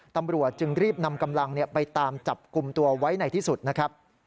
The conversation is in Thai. ตำรวจจึงรีบนำกำลังไปตามจับกลุ่มตัวไว้ในที่สุดนะครับ